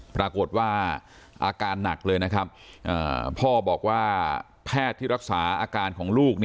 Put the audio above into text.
ปรากฏว่าอาการหนักเลยนะครับพ่อบอกว่าแพทย์ที่รักษาอาการของลูก